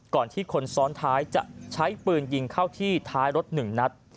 ก่อนที่คนซ้อนท้ายจะใช้ปืนยิงเข้าที่ท้ายรถ๑นัด